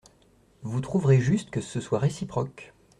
Vous trouverez juste que ce soit réciproque.